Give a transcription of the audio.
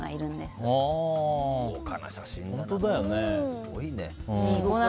すごいね。